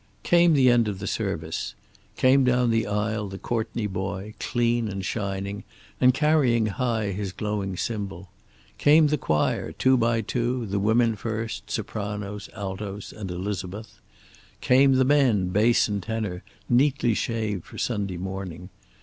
Came the end of the service. Came down the aisle the Courtney boy, clean and shining and carrying high his glowing symbol. Came the choir, two by two, the women first, sopranos, altos and Elizabeth. Came the men, bass and tenor, neatly shaved for Sunday morning.